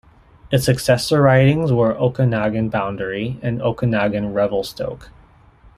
Its successor ridings were Okanagan Boundary and Okanagan-Revelstoke.